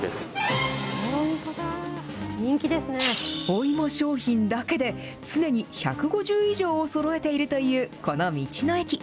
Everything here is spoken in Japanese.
お芋商品だけで、常に１５０以上をそろえているというこの道の駅。